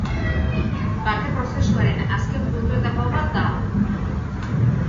Bake prozesuaren azken puntuetako bat da hau.